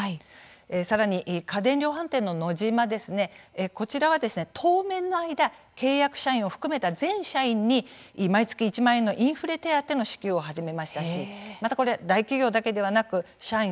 さらに家電量販店のノジマですねこちらは当面の間契約社員を含めた全社員に毎月１万円のインフレ手当の支給を始めましたし大企業だけではなく社員